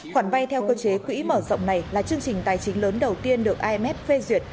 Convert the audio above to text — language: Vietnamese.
khoản vay theo cơ chế quỹ mở rộng này là chương trình tài chính lớn đầu tiên được imf phê duyệt